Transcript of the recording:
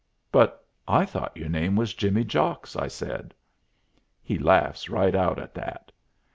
"But I thought your name was Jimmy Jocks," I said. He laughs right out at that.